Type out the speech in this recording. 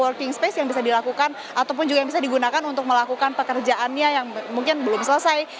working space yang bisa dilakukan ataupun juga yang bisa digunakan untuk melakukan pekerjaannya yang mungkin belum selesai